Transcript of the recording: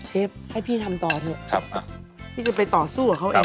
เชฟให้พี่ทำต่อหน่อยนะครับพี่จะไปต่อสู้กับเขาเองครับ